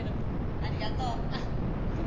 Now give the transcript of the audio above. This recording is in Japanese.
ありがとう。ＯＫ。